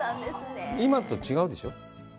今と違うでしょう？